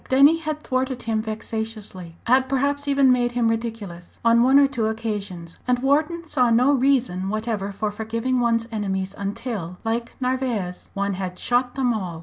Denny had thwarted him vexatiously had perhaps even made him ridiculous on one or two occasions; and Wharton saw no reason whatever for forgiving one's enemies until, like Narvaez, one had "shot them all."